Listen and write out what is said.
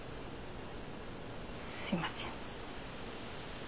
すいません。